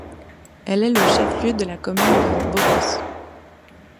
Elle est le chef-lieu de la commune de Borås.